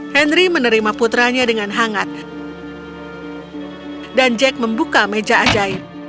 henry menerima putranya dengan hangat dan jack membuka meja ajaib